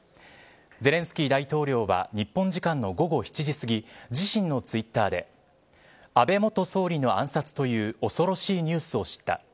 ゼレンスキー大統領は日本時間の午後７時すぎ自身のツイッターで安倍元総理の暗殺という恐ろしいニュースを知った。